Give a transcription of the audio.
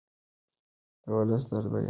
د ولس درد بیان کړئ.